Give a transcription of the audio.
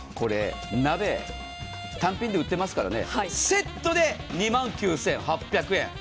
鍋単品で売ってますから、セットで２万９８００円。